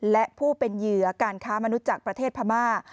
และผู้เป็นเหยื่อการค้ามนุษย์จากประเทศพม่า